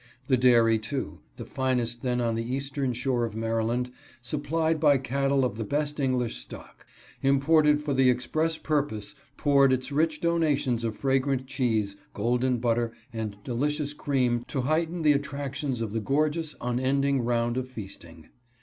The dairy, too, the finest then on the eastern shore of Maryland, supplied by cattle of the best English stock, imported for the express purpose, poured its rich donations of fragrant cheese, golden butter, and delicious cream to heighten the attractions of the gorgeous, unend ing round of feasting.